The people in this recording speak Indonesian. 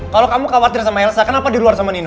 kalau kamu khawatir sama elsa kenapa di luar sama ini